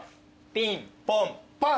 ピンポンパン。